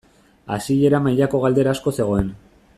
Hasiera mailako galdera asko zegoen.